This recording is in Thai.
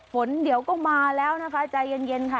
ฝนเดี๋ยวก็มาแล้วนะคะใจเย็นค่ะ